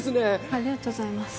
ありがとうございます